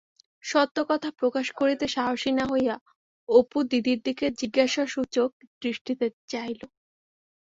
সত্য কথা প্রকাশ করিতে সাহসী না হইয়া অপু দিদির দিকে জিজ্ঞাসাসূচক দৃষ্টিতে চাহিল।